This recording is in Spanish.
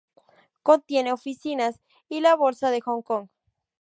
Contiene oficinas y la Bolsa de Hong Kong.